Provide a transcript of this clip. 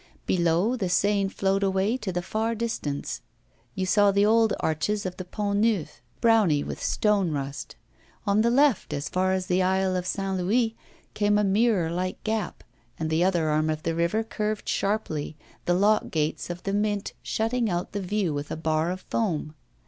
Below, the Seine flowed away to the far distance; you saw the old arches of the Pont Neuf, browny with stone rust; on the left, as far as the Isle of St. Louis, came a mirror like gap; and the other arm of the river curved sharply, the lock gates of the Mint shutting out the view with a bar of foam.